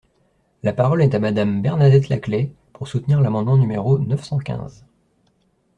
La parole est à Madame Bernadette Laclais, pour soutenir l’amendement numéro neuf cent quinze.